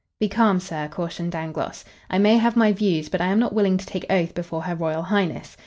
"Be calm, sir," cautioned Dangloss. "I may have my views, but I am not willing to take oath before Her Royal Highness.